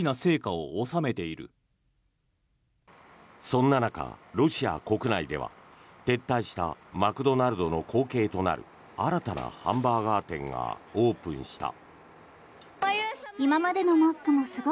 そんな中、ロシア国内では撤退したマクドナルドの後継となる新たなハンバーガー店がオープンした。